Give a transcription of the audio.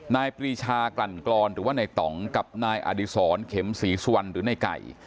ปรีชากลั่นกรอนหรือว่าในต่องกับนายอดีศรเข็มศรีสุวรรณหรือในไก่